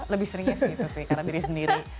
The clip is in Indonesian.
lebih seringnya segitu sih karena diri sendiri